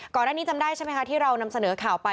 ก่อนหน้านี้จำได้ใช่ไหมคะที่เรานำเสนอข่าวไป